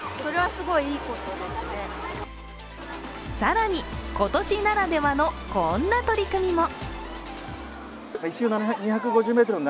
更に今年ならではの、こんな取り組みも。